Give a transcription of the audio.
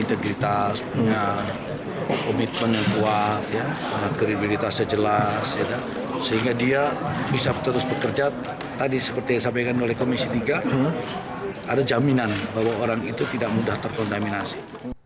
tadi seperti yang disampaikan oleh komisi tiga ada jaminan bahwa orang itu tidak mudah terkontaminasi